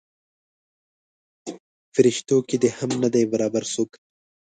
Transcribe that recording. پریشتو کې دې هم نه دی برابر څوک.